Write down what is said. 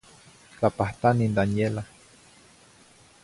Tlapahtani n Daniela.